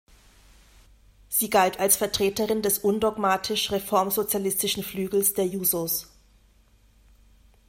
Sie galt als Vertreterin des undogmatisch-reformsozialistischen Flügels der Jusos.